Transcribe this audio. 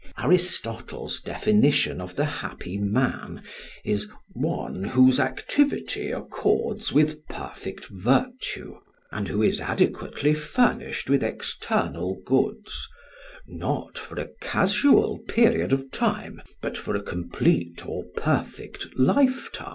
Aristotle's definition of the happy man is "one whose activity accords with perfect virtue and who is adequately furnished with external goods, not for a casual period of time but for a complete or perfect life time;" [Footnote: Arist.